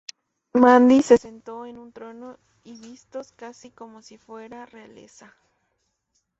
Mandy se sentó en un trono, y vistos casi como si fuera realeza.